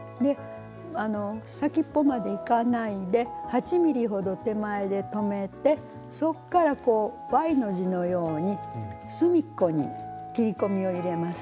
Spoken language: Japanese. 先っぽまでいかないで８ｍｍほど手前で止めてそこからＹの字のように隅っこに切り込みを入れます。